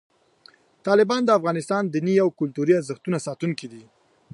طالبان د افغانستان د دیني او کلتوري ارزښتونو ساتونکي دي.